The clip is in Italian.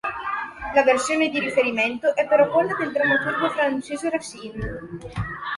La versione di riferimento è però quella del drammaturgo francese Racine.